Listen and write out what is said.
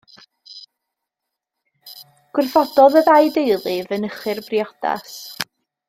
Gwrthododd y ddau deulu fynychu'r briodas.